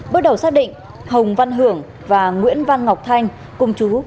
bước đầu xác định hồng văn hưởng và nguyễn văn ngọc thanh cùng chú